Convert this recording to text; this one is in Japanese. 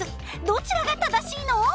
どちらが正しいの？